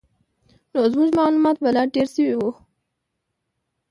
نو زموږ معلومات به لا ډېر شوي وو.